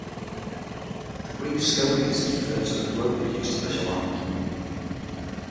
The Greek schoenus is referred to as a rope used to measure land.